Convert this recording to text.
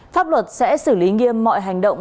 pháp luật sẽ xử lý nghiêm mọi hành động